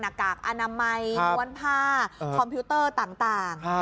กากอนามัยม้วนผ้าคอมพิวเตอร์ต่าง